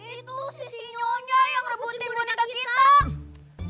itu si sinyonya yang rebutin boneka kita